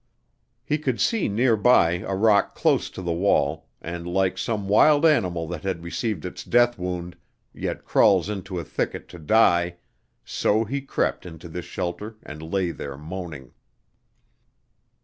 He could see near by a rock close to the wall, and like some wild animal that had received its death wound, yet crawls into a thicket to die, so he crept into this shelter and lay there moaning.